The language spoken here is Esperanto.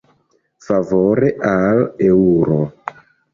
Favore al eŭro.